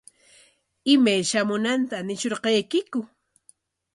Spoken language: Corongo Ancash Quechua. ¿Imay shamunanta ñishunqaykiku?